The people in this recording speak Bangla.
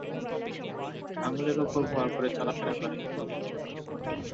আঙুলের উপর ভর করে চলাফেরা করে।